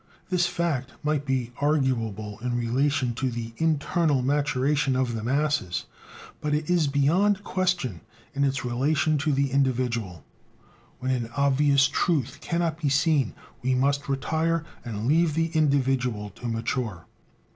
This fact might be arguable in relation to the internal maturation of the masses; but it is beyond question in its relation to the individual. When an obvious truth cannot be seen, we must retire, and leave the individual to mature.